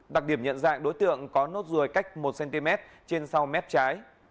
đặc điểm nhận dạng đối tượng có nốt ruồi cách một cm trên sau mép trái